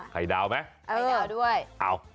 ไข่ดาวไหมไข่ดาวด้วย